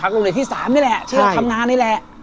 โรงเรียนที่๓นี่แหละที่เราทำงานนี่แหละ